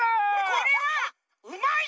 これはうまい！